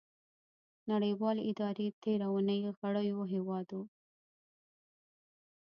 نړیوالې ادارې تیره اونۍ غړیو هیوادو